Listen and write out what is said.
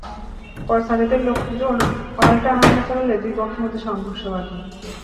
পরে সাজ্জাদের লোকজন পাল্টা হামলা চালালে দুই পক্ষের মধ্যে সংঘর্ষ বাধে।